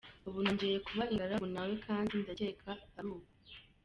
Ubu nongeye kuba ingaragu, na we kandi ndakeka ari uko.